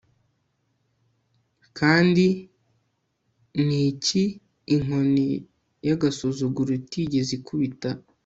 kandi ni iki inkoni y'agasuzuguro itigeze ikubita